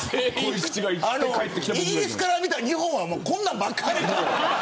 イギリスから見た日本はこんなのばっかり。